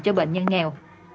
cho bệnh nhân nghèo